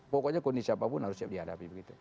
pokoknya kondisi apapun harus siap dihadapi begitu